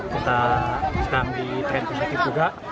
kita sekarang di trend penyakit juga